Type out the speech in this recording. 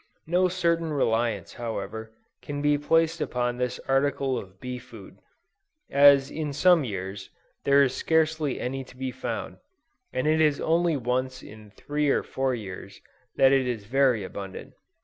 No certain reliance, however, can be placed upon this article of bee food, as in some years, there is scarcely any to be found, and it is only once in three or four years, that it is very abundant.